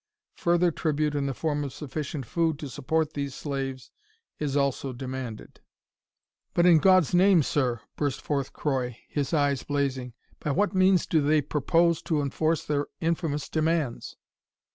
Further tribute in the form of sufficient food to support these slaves is also demanded." "But, in God's name, sir," burst forth Croy, his eyes blazing, "by what means do they, propose to inforce their infamous demands?"